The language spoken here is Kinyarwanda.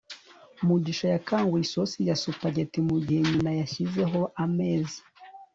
mugisha yakanguye isosi ya spaghetti mugihe nyina yashyizeho ameza